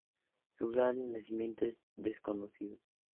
Su lugar de nacimiento es desconocido.